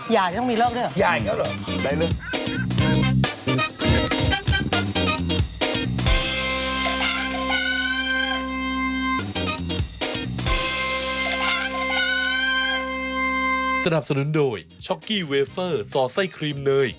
หย่าจะต้องมีเลิกด้วยเหรอหย่าอย่างนั้นเหรอได้เลย